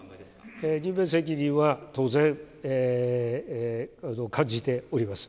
任命責任は当然、感じております。